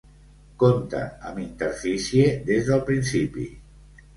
Compta amb interfície des del principi.